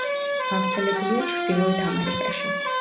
გავრცელებულია ჩრდილოეთ ამერიკაში.